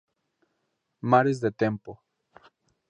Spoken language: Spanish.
Mares de Tempo.